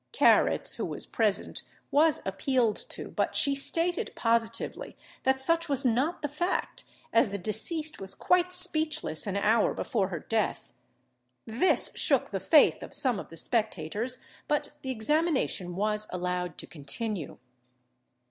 [Carrots, who was present, was appealed to; but she stated positively that such was not the fact, as the deceased was quite speechless an hour before her death. This shook the faith of some of the spectators, but the examination was allowed to continue.